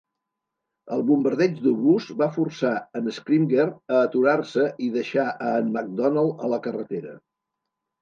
El bombardeig d'obús va forçar a en Scrimger a aturar-se i deixar a en Macdonald a la carretera.